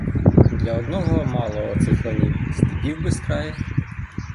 Для одного мало оцих ланів, степів безкраїх?